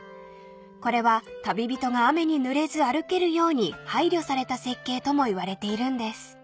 ［これは旅人が雨にぬれず歩けるように配慮された設計とも言われているんです］